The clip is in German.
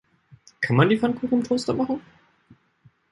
Kann man die Pfannkuchen im Toaster machen?